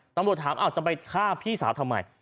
ตำรวจถามจะไปฆ่าพี่สาวทำไม